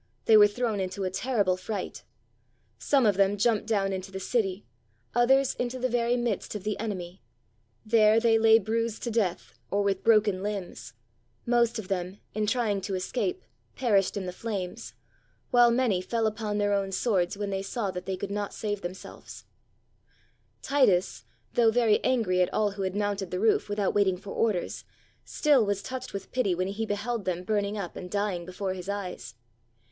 They were thrown into a terrible fright. Some of them jumped down into the city, others into the very midst of the enemy. There they lay bruised to death or with broken limbs. Most of them, in trying to escape, perished in the flames, while many fell upon their own swords when they saw they could not save themselves. 596 THE BURNING OF THE TEMPLE Titus, though very angry at all who had mounted the roof without waiting for orders, still was touched with pity when he beheld them burning up and dying before his eyes.